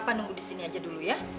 kita nunggu di sini aja dulu ya